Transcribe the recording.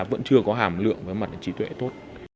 vẫn chưa có hàm lượng với mặt trí tuệ tốt